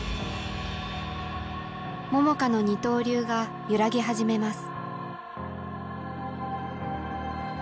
桃佳の二刀流が揺らぎ始めます。